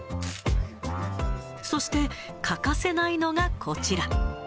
そして、欠かせないのがこちら。